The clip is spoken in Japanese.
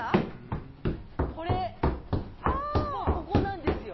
ここなんですよ。